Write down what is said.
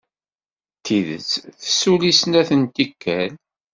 D tidet tessulli snat n tikkal.